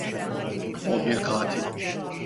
O bir katil!